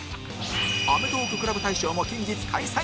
アメトーーク ＣＬＵＢ 大賞も近日開催